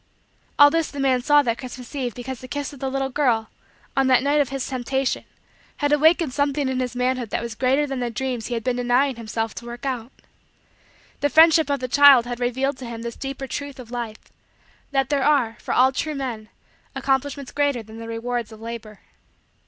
All this the man saw that Christmas eve because the kiss of the little girl, on that night of his temptation, had awakened something in his manhood that was greater than the dreams he had been denying himself to work out. The friendship of the child had revealed to him this deeper truth of Life; that there are, for all true men, accomplishments greater than the rewards of labor.